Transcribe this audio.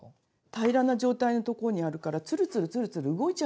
平らな状態のところにあるからツルツルツルツル動いちゃうんですよ